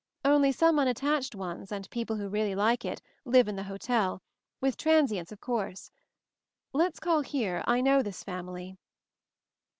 Only some unattached ones, and people who really like it, live in the hotel — with transients, of course. Let's call here; I know this family."